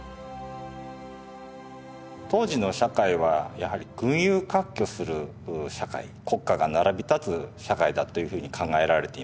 当時の社会はやはり群雄割拠する社会国家が並び立つ社会だというふうに考えられています。